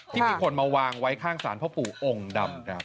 ที่มีคนมาวางไว้ข้างสารพ่อปู่องค์ดำครับ